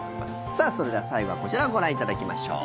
さあ、それでは最後はこちらをご覧いただきましょう。